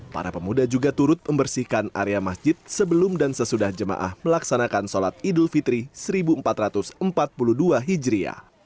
para pemuda juga turut membersihkan area masjid sebelum dan sesudah jemaah melaksanakan sholat idul fitri seribu empat ratus empat puluh dua hijriah